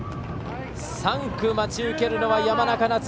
３区、待ち受けるのは山中菜摘。